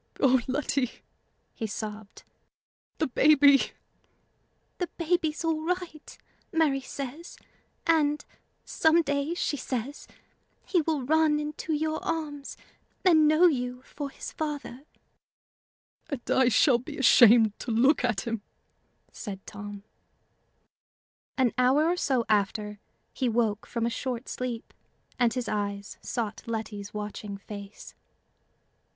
"O Letty!" he sobbed "the baby!" "The baby's all right, Mary says; and, some day, she says, he will run into your arms, and know you for his father." "And I shall be ashamed to look at him!" said Tom. An hour or so after, he woke from a short sleep, and his eyes sought Letty's watching face.